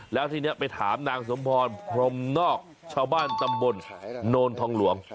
แล้วทีนี้ไปถามนางสมพรพรมนอกชาวบ้านตำบลโนนทองหลวง